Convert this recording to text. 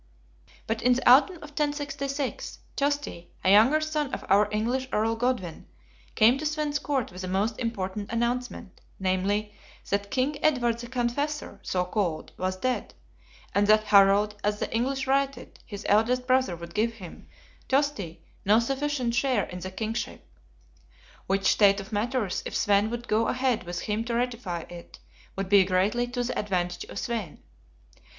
But in the autumn of 1066, Tosti, a younger son of our English Earl Godwin, came to Svein's court with a most important announcement; namely, that King Edward the Confessor, so called, was dead, and that Harold, as the English write it, his eldest brother would give him, Tosti, no sufficient share in the kingship. Which state of matters, if Svein would go ahead with him to rectify it, would be greatly to the advantage of Svein.